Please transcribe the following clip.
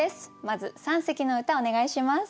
まず三席の歌お願いします。